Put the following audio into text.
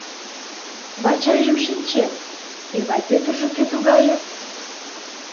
— Вачайжым шинчем, Эвай Пӧтыржӧ кӧ тугае?